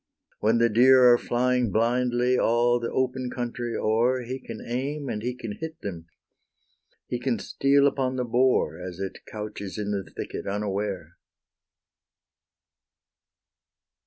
When the deer are flying blindly all the open country o'er, He can aim and he can hit them; he can steal upon the boar, As it couches in the thicket unaware.